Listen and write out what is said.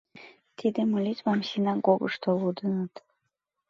Тиде молитвам синагогышто лудыныт.